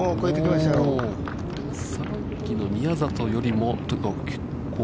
さっきの宮里よりも。